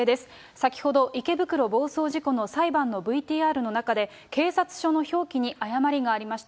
先ほど、池袋暴走事故の裁判のＶＴＲの中で、警察署の表記に誤りがありました。